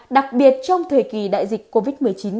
đặc biệt trong thời kỳ đại dịch covid một mươi chín